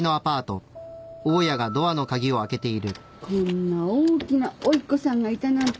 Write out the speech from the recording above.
こんな大きなおいっ子さんがいたなんて。